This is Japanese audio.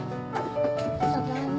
ただいま。